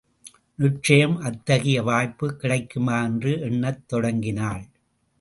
நிச்சயம் அத்தகைய வாய்ப்புக் கிடைக்குமா என்று எண்ணத் தொடங்கினாள்.